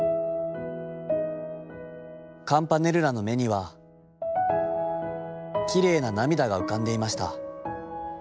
カムパネルラの眼にはきれいな涙が浮かんでゐました。